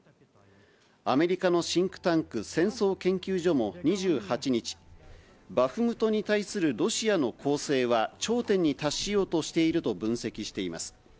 アメリカのシンクタンク、戦争研究所も２８日、バフムトに対するロシアの攻勢は頂点に達しようとしていると分析しています。